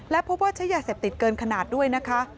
และพบว่าใช้ยาเสพติดเกินขนาดด้วยนะคะ